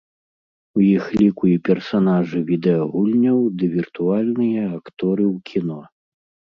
У іх ліку і персанажы відэагульняў ды віртуальныя акторы ў кіно.